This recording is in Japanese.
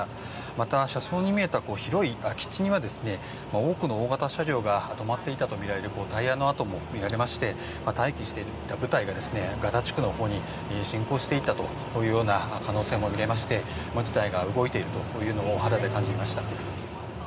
また、車窓に見えた広い空き地には多くの大型車両が止まっていたとみられるタイヤの跡も見られまして待機していた部隊がガザ地区のほうへ侵攻していったという可能性もありまして事態が動いているのを肌で感じました。